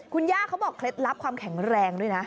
คุณย่าเขาบอกเคล็ดลับความแข็งแรงด้วยนะ